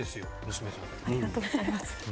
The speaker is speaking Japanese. ありがとうございます。